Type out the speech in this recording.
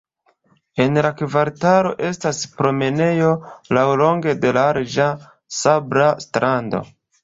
En la kvartalo estas promenejo laŭlonge de larĝa sabla strando.